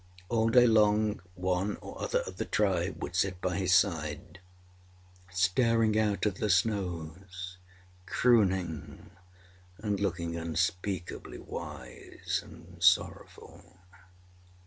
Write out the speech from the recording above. All day long, one or other of the tribe would sit by his side, staring out at the snows, crooning and looking unspeakably wise and sorrowful.